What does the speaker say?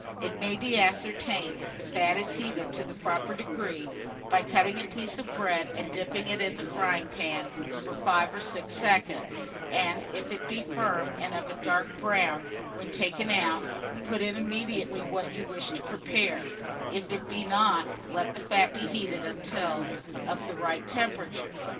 It may be ascertained if the fat is heated to the proper degree, by cutting a piece of bread and dipping it in the frying pan for five or six seconds; and if it be firm and of a dark brown when taken out, put in immediately what you wish to prepare; if it be not, let the fat be heated until of the right temperature.